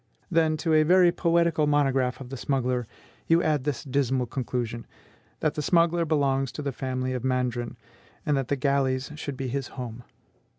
Then, to a very poetical monograph of the smuggler, you add this dismal conclusion, that the smuggler belongs to the family of Mandrin, and that the galleys should be his home!